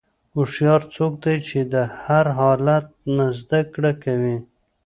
هوښیار څوک دی چې د هر حالت نه زدهکړه کوي.